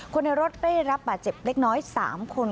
คนในรถได้รับบาดเจ็บเล็กน้อย๓คน